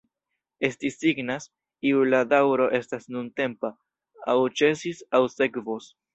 Esti signas, iu la daŭro estas nuntempa, aŭ ĉesis, aŭ sekvos.